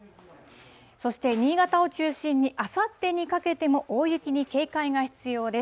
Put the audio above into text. そして新潟を中心に、あさってにかけても大雪に警戒が必要です。